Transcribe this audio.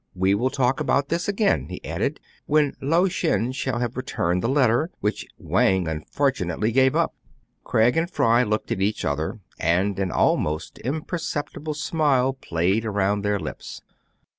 We will talk about this again," he added, "when Lao Shen shall have returned the letter, which Wang unfortunately gave up." Craig and Fry looked at each other, and an almost imperceptible smile played around their lips.